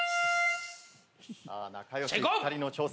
さぁ仲良し２人の挑戦。